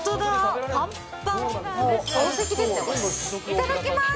いただきます。